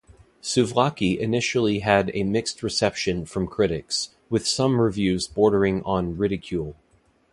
"Souvlaki" initially had a mixed reception from critics, with some reviews bordering on ridicule.